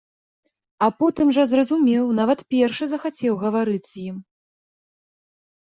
А потым жа зразумеў, нават першы захацеў гаварыць з ім.